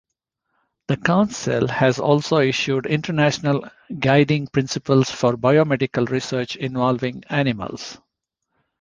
The Council has also issued "International Guiding Principles for Biomedical Research Involving Animals".